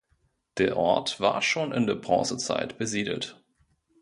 Der Ort war schon in der Bronzezeit besiedelt.